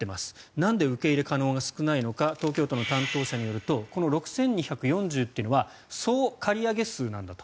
なんで受け入れ可能が少ないのか東京の担当者によるとこの６２４０というのは総借り上げ数なんだと。